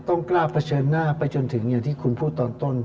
กล้าเผชิญหน้าไปจนถึงอย่างที่คุณพูดตอนต้น